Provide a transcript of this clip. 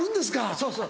そうそう。